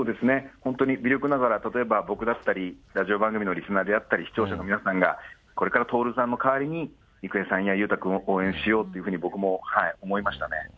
本当に微力ながら、例えば僕だったり、ラジオ番組のリスナーであったり、視聴者の皆さんが、これから徹さんの代わりに、郁恵さんや裕太君を応援しようというふうに、僕も思いましたね。